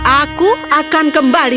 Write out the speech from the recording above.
aku akan kembali